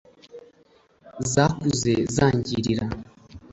zakuze zangirira.